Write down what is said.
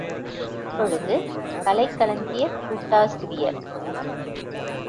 இப்பொழுது கலைக் களஞ்சியக் கூட்டாசிரியர்.